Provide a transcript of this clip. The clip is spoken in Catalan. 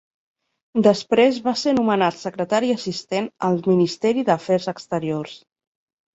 Després va ser nomenat Secretari assistent al Ministeri d'Afers Exteriors.